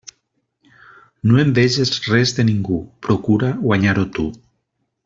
No enveges res de ningú, procura guanyar-ho tu.